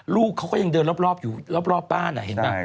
ลูกเขาก็ยังเดินรอบอยู่รอบบ้านเห็นป่ะ